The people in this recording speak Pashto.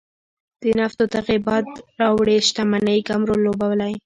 د نفتو دغې باد راوړې شتمنۍ کم رول لوبولی.